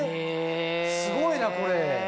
すごいなこれ。